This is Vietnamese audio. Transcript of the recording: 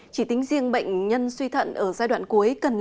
chỉ tính riêng bệnh nhân suy thận ở giai đoạn cuối